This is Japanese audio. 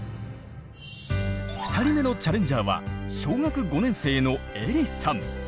２人目のチャレンジャーは小学５年生のえりさん。